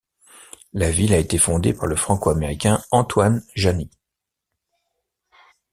La ville a été fondée par le franco-américain Antoine Janis.